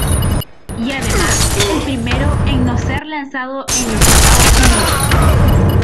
Y además el primero en no ser lanzado en los Estados Unidos.